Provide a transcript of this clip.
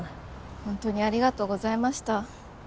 ほんとにありがとうございました。